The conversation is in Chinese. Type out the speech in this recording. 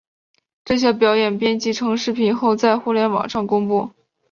这些表演编辑成视频后在互联网上公布。